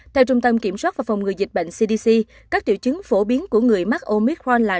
theo trung tâm kiểm soát và phòng ngừa dịch bệnh cdc các triệu chứng phổ biến của người mắc omit frente